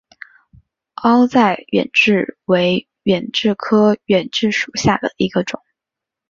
凹籽远志为远志科远志属下的一个种。